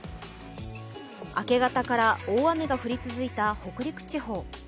明け方から大雨が降り続いた北陸地方。